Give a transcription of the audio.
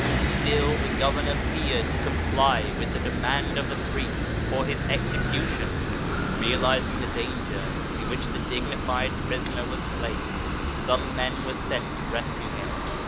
Still the Governor feared to comply with the demand of the priests for his execution. Realizing the danger in which the dignified prisoner was placed, some men were sent to rescue him.